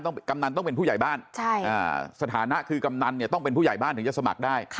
กำนันต้องเป็นผู้ใหญ่บ้านสถานะคือกำนันเนี่ยต้องเป็นผู้ใหญ่บ้านถึงจะสมัครได้